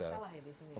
masalah ya di sini